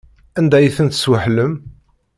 Anda ay ten-tesweḥlem?